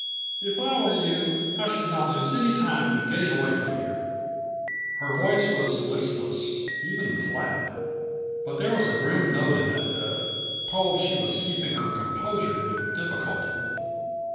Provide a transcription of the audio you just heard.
If I were you I should not lose any time in getting away from here." Her voice was listless, even flat, but there was a grim note in it that told that she was keeping her composure with difficulty.